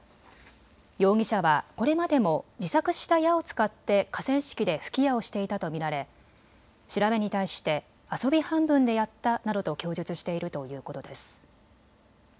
容疑者はこれまでも自作した矢を使って河川敷で吹き矢をしていたと見られ調べに対して遊び半分でやったなどと供述しているということです。